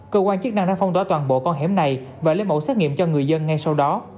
cơ quan chức năng đã phong tỏa toàn bộ con hẻm này và lấy mẫu xét nghiệm cho người dân ngay sau đó